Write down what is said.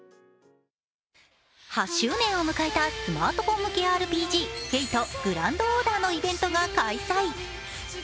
８周年を迎えたスマートフォン向けＲＰＧ、「Ｆａｔｅ／ＧｒａｎｄＯｒｄｅｒ」のイベントが開催。